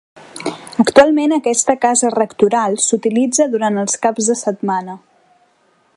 Actualment aquesta casa rectoral s'utilitza durant els caps de setmana.